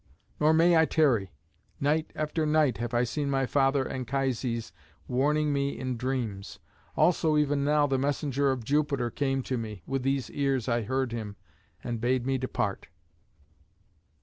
Nor may I tarry. Night after night have I seen my father Anchises warning me in dreams. Also even now the messenger of Jupiter came to me with these ears I heard him and bade me depart."